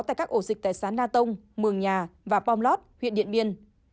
tại các ổ dịch tại xã na tông mường nhà và pom lót huyện điện biên